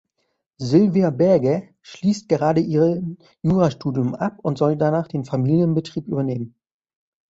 Sylvia Berger schließt gerade ihren Jurastudium ab und soll danach den Familienbetrieb übernehmen.